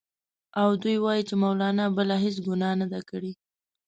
او دوی وايي چې مولنا بله هېڅ ګناه نه ده کړې.